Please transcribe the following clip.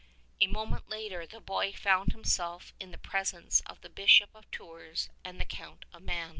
'' A moment later the boy found himself in the presence of the Bishop of Tours and the Count of Mans.